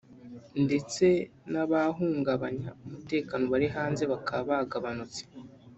ndetse n’abahungabanyaga umutekano bari hanze bakaba bagabanutse”